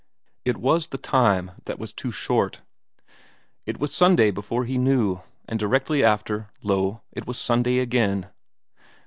Time it was the time that was too short. It was Sunday before he knew, and then directly after, lo it was Sunday again!